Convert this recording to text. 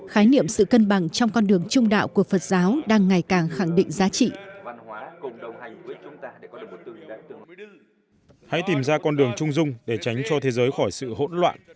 hãy tìm ra con đường trung dung để tránh cho thế giới khỏi sự hỗn loạn